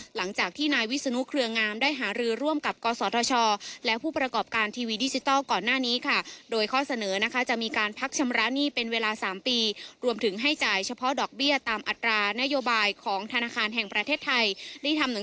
หลังจากที่นายวิศนุเครืองามได้หารือร่วมกับกศธชและผู้ประกอบการทีวีดิจิทัลก่อนหน้านี้ค่ะ